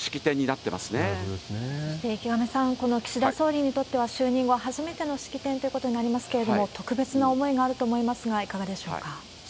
そして池上さん、岸田総理にとっては就任後、初めての式典ということになりますけれども、特別な思いがあると思いますが、いかがでしょうか。